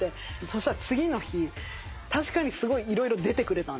そしたら次の日確かにすごい色々出てくれたんです。